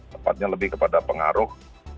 tepatnya lebih kepada pengaruh